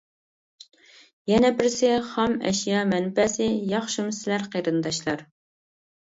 يەنە بىرسى، خام ئەشيا مەنبەسى. ياخشىمۇ سىلەر قېرىنداشلار!